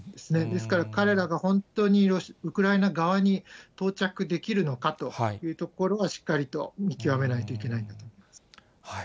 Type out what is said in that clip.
ですから、彼らが本当にウクライナ側に到着できるのかというところは、しっかりと見極めないといけないと思います。